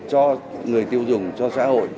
cho người tiêu dùng cho xã hội